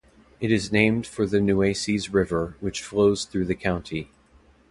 It is named for the Nueces River, which flows through the county.